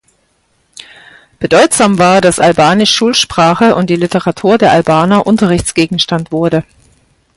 Bedeutsam war, dass Albanisch Schulsprache und die Literatur der Albaner Unterrichtsgegenstand wurde.